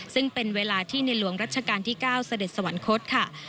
ซึ่งเป็นเวลาที่ในหลวงรัชกาลที่๙เสด็จสวรรคตค่ะ